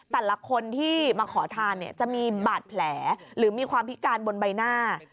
แต่ละคนที่มาขอทานเนี่ยจะมีบาดแผลหรือมีความพิการบนใบหน้า